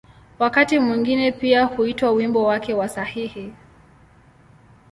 Wakati mwingine pia huitwa ‘’wimbo wake wa sahihi’’.